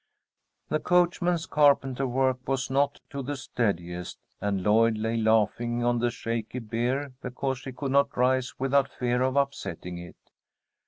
The coachman's carpenter work was not of the steadiest, and Lloyd lay laughing on the shaky bier because she could not rise without fear of upsetting it.